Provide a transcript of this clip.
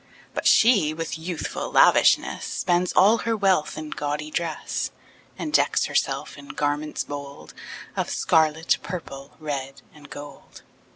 But she, with youthful lavishness, Spends all her wealth in gaudy dress, And decks herself in garments bold Of scarlet, purple, red, and gold.